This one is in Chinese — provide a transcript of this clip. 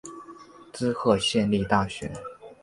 滋贺县立大学